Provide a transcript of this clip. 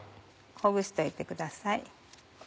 ほぐしておいてください。